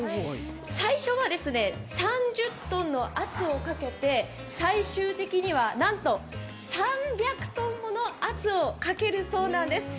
最初は３０ｔの圧をかけて、最終的にはなんと３００ｔもの圧をかけるそうなんです。